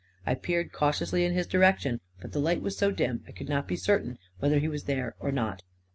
I peered cautiously in his direction; but the light was so dim, I could not be certain whether he was there or not.